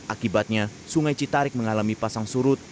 akibatnya sungai citarik mengalami pasang surut